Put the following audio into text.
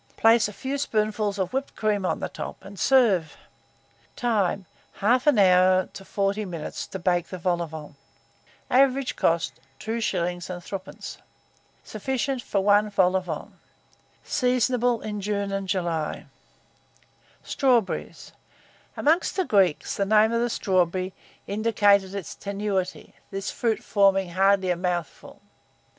Place a few spoonfuls of whipped cream on the top, and serve. Time. 1/2 hour to 40 minutes to bake the vol au vent. Average cost, 2s. 3d. Sufficient for 1 vol au vent. Seasonable in June and July. STRAWBERRY. Among the Greeks, the name of the strawberry indicated its tenuity, this fruit forming hardly a mouthful.